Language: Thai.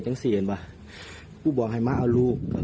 ส่งง้อเมียด้วยวิธีนี้หรอพี่